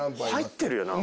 入ってるよな。